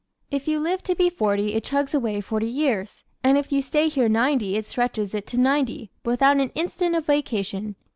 If you live to be forty it chugs away forty years, and if you stay here ninety it stretches it to ninety, without an instant of vacation.